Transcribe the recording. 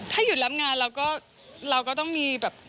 ถ้าหยุดรับงานเราก็เราก็ต้องมีแบบ